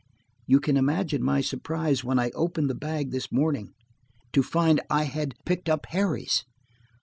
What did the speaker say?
"You can imagine my surprise when I opened the bag this morning to find I had picked up Harry's.